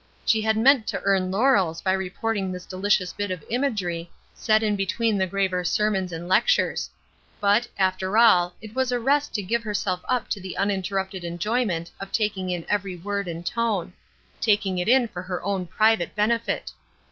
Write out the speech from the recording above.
She had meant to earn laurels by reporting this delicious bit of imagery, set in between the graver sermons and lectures; but, after all, it was a rest to give herself up to the uninterrupted enjoyment of taking in every word and tone taking it in for her own private benefit.